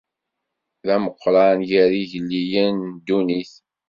D ameqqran gar yigelliden n ddunit.